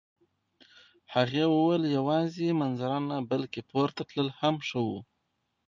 هغې وویل یوازې منظره نه، بلکه پورته تلل هم ښه وو.